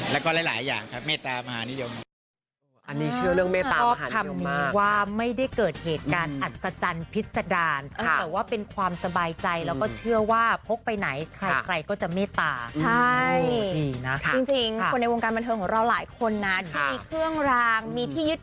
แล้วก็หลายอย่างครับเมตามหานิยม